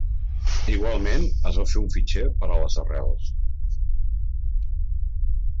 Igualment, es va fer un fitxer per a les arrels.